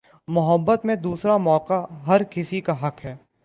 محبت میں دوسرا موقع ہر کسی کا حق ہے